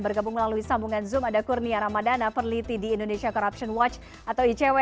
bergabung melalui sambungan zoom ada kurnia ramadana peneliti di indonesia corruption watch atau icw